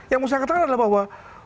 yang mau saya katakan adalah bahwa